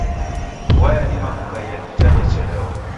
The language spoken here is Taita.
Vua yadima kukaia ija yechelewa.